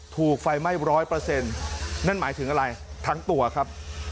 ถูกไฟไหม้ร้อยเปอร์เซ็นต์นั่นหมายถึงอะไรทั้งตัวครับ